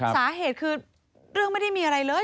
สาเหตุคือเรื่องไม่ได้มีอะไรเลย